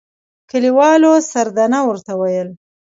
کلیوالو سردنه ورته ويل.